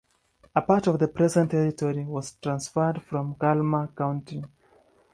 A part of the present territory was transferred from Kalmar County.